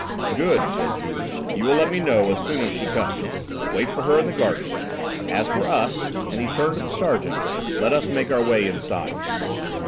"Good," said Juve. "You will let me know as soon as she comes; wait for her in the garden. As for us," and he turned to the sergeant, "let us make our way inside."